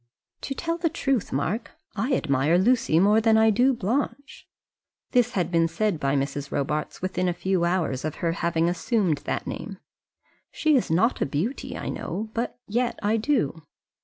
"To tell the truth, Mark, I admire Lucy more than I do Blanche." This had been said by Mrs. Robarts within a few hours of her having assumed that name. "She's not a beauty, I know, but yet I do."